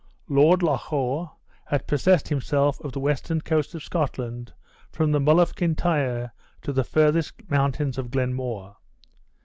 Lord Lochawe had possessed himself of the western coast of Scotland, from the Mull of Kintyre, to the furthest mountains of Glenmore.